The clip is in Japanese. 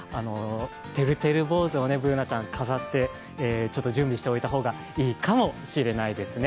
てるてる坊主をＢｏｏｎａちゃん飾って準備しておいた方がいいかもしれないですね。